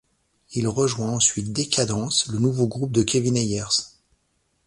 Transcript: Il rejoint ensuite Decadence, le nouveau groupe de Kevin Ayers.